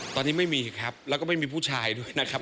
ตอนนี้ไม่มีครับแล้วก็ไม่มีผู้ชายด้วยนะครับ